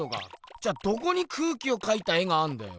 じゃあどこに空気を描いた絵があんだよ。